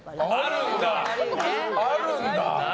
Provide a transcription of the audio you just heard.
あるんだ！